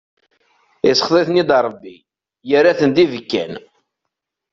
Isxeḍ-iten-id Rebbi, yerran-ten d ibkan.